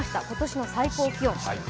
今年の最高気温。